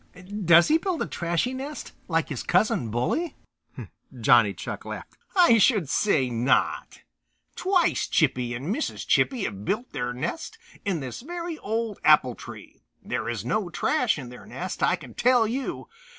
Does he build a trashy nest like his cousin, Bully?" Johnny Chuck laughed. "I should say not!" he exclaimed. "Twice Chippy and Mrs. Chippy have built their nest in this very old apple tree. There is no trash in their nest, I can tell you!